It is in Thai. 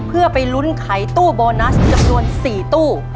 เพื่อไปลุ้นไขตู้โบนัสจำนวน๔ตู้